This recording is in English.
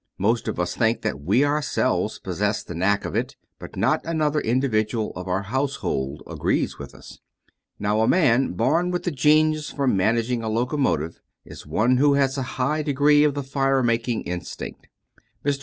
Most of us think that we ourselves possess the knack of it, but not another individual of our household agrees with us. Now, a man born with a genius for managing a locomotive is one who has a high degree of the fire making instinct. Mr.